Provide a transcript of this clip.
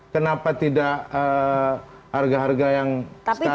kenapa tidak harga harga yang sekarang